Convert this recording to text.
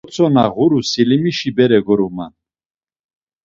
Gotzo na ğuru Selimişi bere goruman.